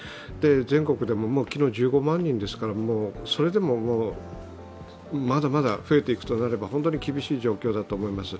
全国でも昨日１５万人ですからそれでも、まだまだ増えていくとなれば、本当に厳しい状況だと思います。